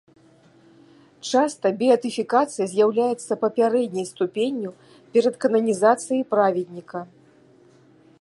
Часта беатыфікацыя з'яўляецца папярэдняй ступенню перад кананізацыяй праведніка.